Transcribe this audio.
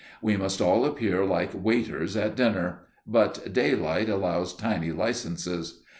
We must all appear like waiters at dinner, but daylight allows tiny licences.